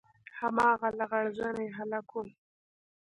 هماغه لغړ زنى هلک و.